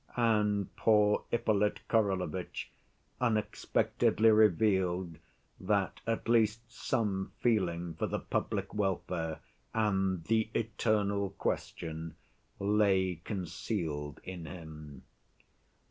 And poor Ippolit Kirillovitch unexpectedly revealed that at least some feeling for the public welfare and "the eternal question" lay concealed in him.